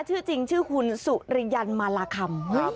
ชื่อจริงชื่อคุณสุริยันมาลาคำ